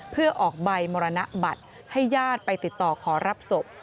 เพื่อออกใบมรณบัตรให้ญาติไปติดต่อขอรับศพ